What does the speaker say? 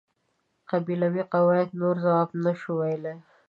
قبیلوي قواعد نور ځواب نشوای ویلای.